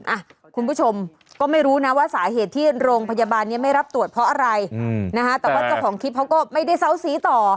อ่ะคุณผู้ชมก็ไม่รู้นะว่าสาเหตุที่โรงพยาบาลนี้ไม่รับตรวจเพราะอะไรอืมนะฮะแต่ว่าเจ้าของคลิปเขาก็ไม่ได้เซาซีต่อ